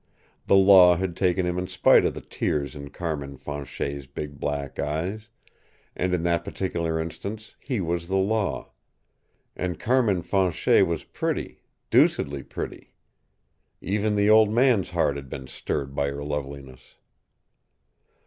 The Law had taken him in spite of the tears in Carmin Fanchet's big black eyes, and in that particular instance he was the Law. And Carmin Fanchet was pretty deucedly pretty. Even the Old Man's heart had been stirred by her loveliness.